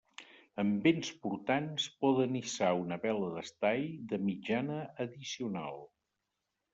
Amb vents portants poden hissar una vela d'estai de mitjana addicional.